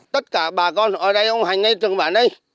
tất cả bà con ở đây ông hành trường bà này